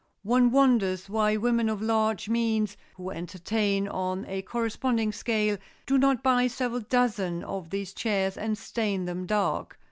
One wonders why women of large means, who entertain on a corresponding scale, do not buy several dozen of these chairs and stain them dark.